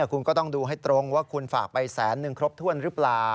คุณก็ต้องดูให้ตรงว่าคุณฝากไปแสนนึงครบถ้วนหรือเปล่า